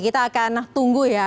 kita akan tunggu ya